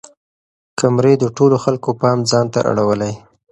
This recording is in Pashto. کمرې د ټولو خلکو پام ځان ته اړولی.